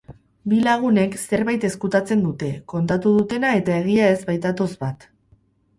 Bi lagunek zerbait ezkutatzen dute, kontatu dutena eta egia ez baitatoz bat.